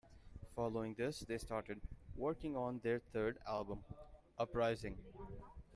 Following this they started working on their third album: "Uprising".